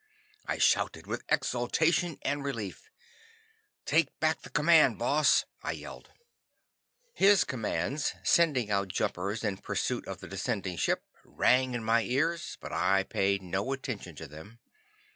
I shouted with exultation and relief. "Take back the command, Boss!" I yelled. His commands, sending out jumpers in pursuit of the descending ship, rang in my ears, but I paid no attention to them.